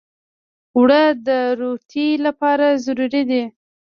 اوړه د روتۍ لپاره ضروري دي